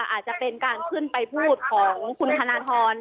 อาจจะเป็นการขึ้นไปพูดของคุณธนทร